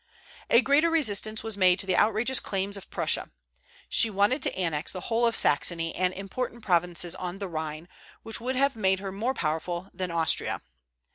A greater resistance was made to the outrageous claims of Prussia. She wanted to annex the whole of Saxony and important provinces on the Rhine, which would have made her more powerful than Austria.